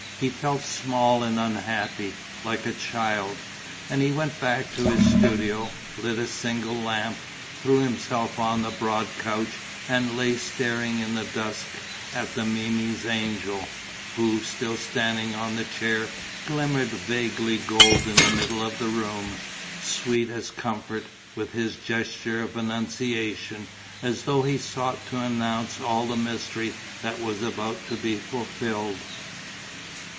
He felt small and unhappy, like a child. And he went back to his studio, lit a single lamp, threw himself on a broad couch and lay staring in the dusk at Memmi's angel, who, still standing on the chair, glimmered vaguely gold in the middle of the room, sweet as comfort, with his gesture of annunciation, as though he sought to announce all the mystery that was about to be fulfilled....